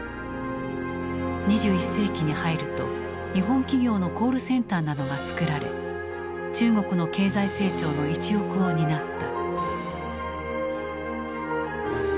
２１世紀に入ると日本企業のコールセンターなどがつくられ中国の経済成長の一翼を担った。